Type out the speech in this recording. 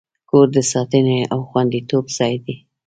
کور د ساتنې او خوندیتوب ځای دی.